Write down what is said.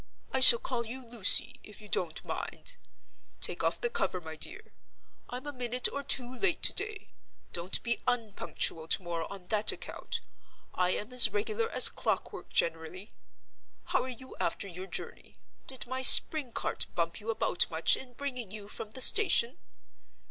I shall call you Lucy, if you don't mind. Take off the cover, my dear—I'm a minute or two late to day. Don't be unpunctual to morrow on that account; I am as regular as clock work generally. How are you after your journey? Did my spring cart bump you about much in bringing you from the station?